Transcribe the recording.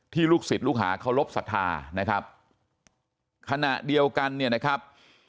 ลูกศิษย์ลูกหาเคารพสัทธานะครับขณะเดียวกันเนี่ยนะครับ